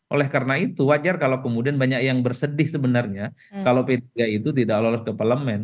oleh karena itu wajar kalau kemudian banyak yang bersedih sebenarnya kalau p tiga itu tidak lolos ke parlemen